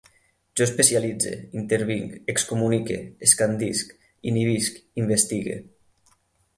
Jo especialitze, intervinc, excomunique, escandisc, inhibisc, investigue